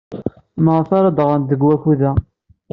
Maɣef ara d-ɣrent deg wakud-a?